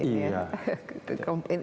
komponen memang penting